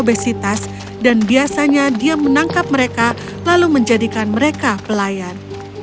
labu raksasa terkena obesitas dan biasanya dia menangkap mereka lalu menjadikan mereka pelayan